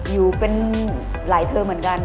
อยู่เป็นหลายเธอเหมือนกัน